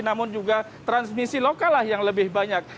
namun juga transmisi lokal yang lebih banyak